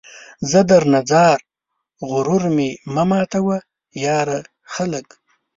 زه درنه ځار ، غرور مې مه ماتوه ، یاره ! خلک